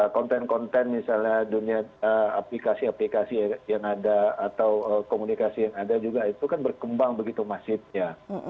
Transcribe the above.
konten konten misalnya aplikasi aplikasi yang ada atau komunikasi yang ada juga itu kan berkembang begitu masifnya